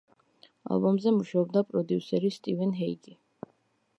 ალბომზე მუშაობდა პროდიუსერი სტივენ ჰეიგი.